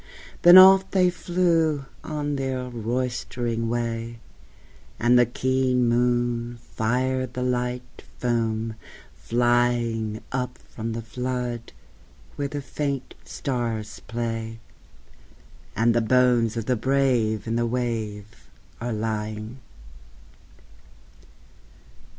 Then off they flew on their roystering way, And the keen moon fired the light foam flying Up from the flood where the faint stars play, And the bones of the brave in the wave are lying.